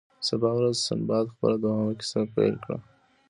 سبا ورځ سنباد خپله دوهمه کیسه پیل کړه.